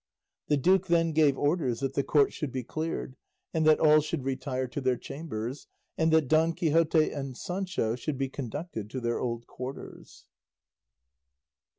The duke then gave orders that the court should be cleared, and that all should retire to their chambers, and that Don Quixote and Sancho should be conducted to their old quarters.